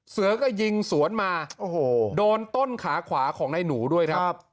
เสือก็ยิงสวนมาโอ้โหโดนต้นขาขวาของนายหนูด้วยครับ